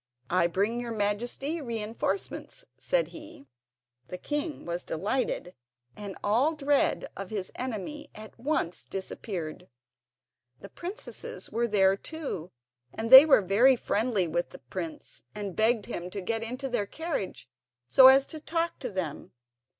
"I bring your Majesty reinforcements," said he. The king was delighted, and all dread of his enemy at once disappeared. The princesses were there too, and they were very friendly with the prince and begged him to get into their carriage so as to talk to them.